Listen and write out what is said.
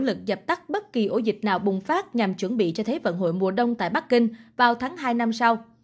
nỗ lực dập tắt bất kỳ ổ dịch nào bùng phát nhằm chuẩn bị cho thế vận hội mùa đông tại bắc kinh vào tháng hai năm sau